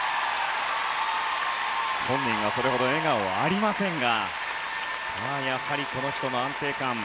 本人はそれほど笑顔はありませんがやはりこの人も安定感。